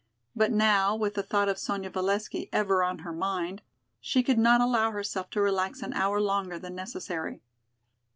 But now, with the thought of Sonya Valesky ever on her mind, she could not allow herself to relax an hour longer than necessary.